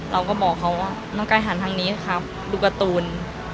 เราก็บอกเขาว่าน้องกายหันทางนี้ครับดูการ์ตูน